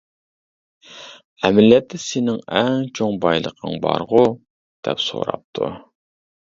ئەمەلىيەتتە سېنىڭ ئەڭ چوڭ بايلىقىڭ بارغۇ؟ -دەپ سوراپتۇ.